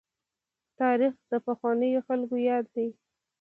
تاريخ د پخوانیو خلکو ياد دی.